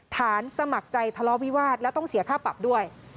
สมัครใจทะเลาะวิวาสและต้องเสียค่าปรับด้วย